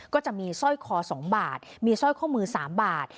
ก็จะมีสร้อยคอ๒บาทมีสร้อยข้อมือ๓บาท